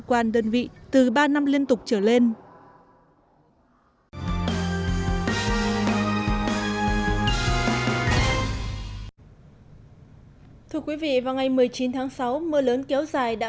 quan đơn vị từ ba năm liên tục trở lên thưa quý vị vào ngày một mươi chín tháng sáu mưa lớn kéo dài đã